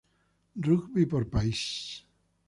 Rugby por país